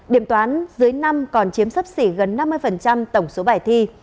điểm toán dưới năm còn chiếm sấp xỉ gần năm mươi tổng số bài thi